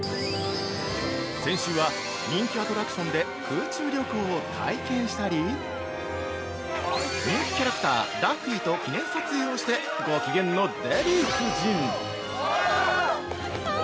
先週は、人気アトラクションで空中旅行を体験したり人気キャラクター・ダッフィーと記念撮影をしてご機嫌のデヴィ夫人。